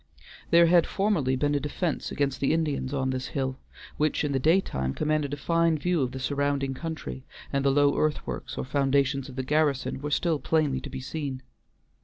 There had formerly been a defense against the Indians on this hill, which in the daytime commanded a fine view of the surrounding country, and the low earthworks or foundations of the garrison were still plainly to be seen.